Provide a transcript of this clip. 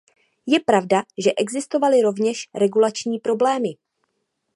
Je pravda, že existovaly rovněž regulační problémy.